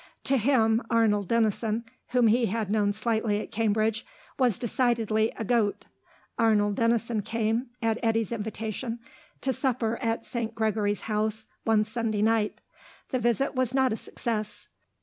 To him, Arnold Denison, whom he had known slightly at Cambridge, was decidedly a goat. Arnold Denison came, at Eddy's invitation, to supper at St. Gregory's House one Sunday night. The visit was not a success.